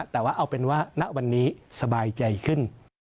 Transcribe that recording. แต่ว่าเอาเป็นว่าณวันนี้สบายใจขึ้น